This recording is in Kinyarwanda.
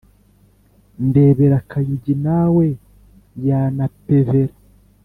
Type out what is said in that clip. ndebera, kayugi nawe yanapevera